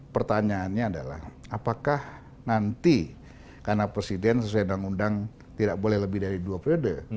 pertanyaannya adalah apakah nanti karena presiden sesuai dengan undang tidak boleh lebih dari dua periode